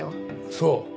そう。